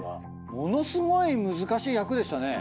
ものすごい難しい役でしたね。